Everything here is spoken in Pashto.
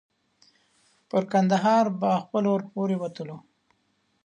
پر کندهار باغ پل ور پورې وتلو.